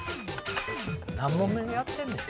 何問目にやってんねん。